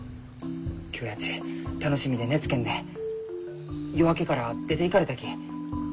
今日やち楽しみで寝つけんで夜明けから出ていかれたき。